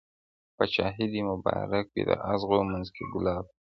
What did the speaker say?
پاچاهي دي مبارک وي د ازغو منځ کي ګلاب ته,